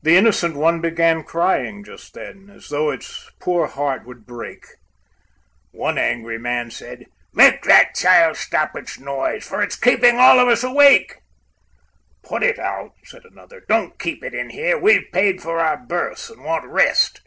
The innocent one began crying just then, As though its poor heart would break. One angry man said, "Make that child stop its noise, For it's keeping all of us awake." "Put it out," said another, "Don't keep it in here; We've paid for our berths and want rest."